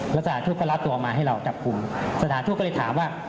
แล้วสถานทูตก็รับตัวมาให้เราจับกลุ่มสถานทูตก็เลยถามว่า